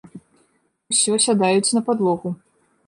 Усё сядаюць на падлогу.